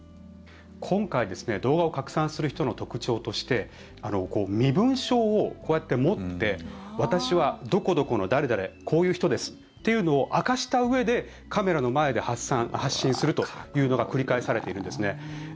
今回、動画を拡散する人の特徴として身分証をこうやって持って私はどこどこの誰々こういう人ですっていうのを明かしたうえでカメラの前で発信するというのが繰り返されているんですね。